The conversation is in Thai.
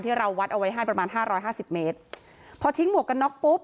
เราวัดเอาไว้ให้ประมาณห้าร้อยห้าสิบเมตรพอทิ้งหมวกกันน็อกปุ๊บ